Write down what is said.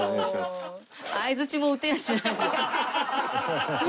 相づちも打てやしないです。